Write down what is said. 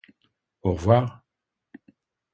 Au revoir.